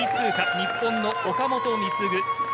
日本の岡本碧優。